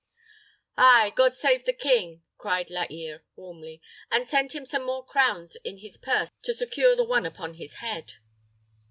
"Ay, God save the king!" cried La Hire, warmly; "and send him some more crowns in his purse to secure the one upon his head."